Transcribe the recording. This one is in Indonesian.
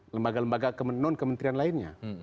lembaga lembaga non kementerian lainnya